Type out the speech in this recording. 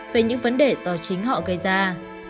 về những vấn đề do chính họ gây ra